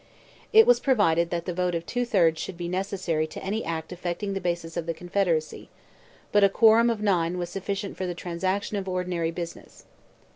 It was provided that the vote of two thirds should be necessary to any act affecting the basis of the Confederacy, but a quorum of nine was sufficient for the transaction of ordinary business.